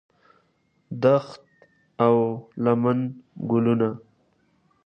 دښت او لمن ګلونه